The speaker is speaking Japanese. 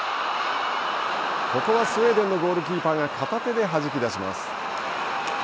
ここはスウェーデンのゴールキーパーが片手ではじき出します。